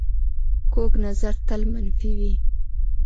کوږ نظر تل منفي وي